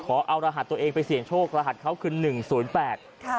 ขอเอารหัสตัวเองไปเสี่ยงโชครหัสเขาคือ๑๐๘